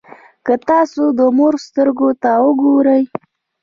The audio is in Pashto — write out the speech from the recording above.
که تاسو د مور سترګو ته وګورئ.